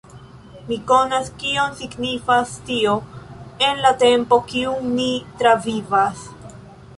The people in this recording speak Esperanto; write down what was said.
Mi konas kion signifas tio en la tempo kiun ni travivas.